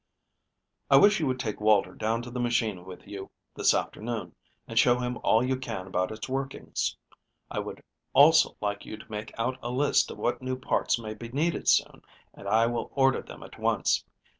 "I wish you would take Walter down to the machine with you this afternoon and show him all you can about its workings. I would also like you to make out a list of what new parts may be needed soon, and I will order them at once.